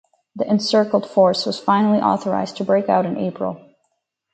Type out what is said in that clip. The encircled force was finally authorized to break out in April.